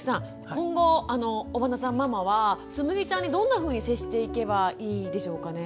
今後尾花さんママはつむぎちゃんにどんなふうに接していけばいいでしょうかね？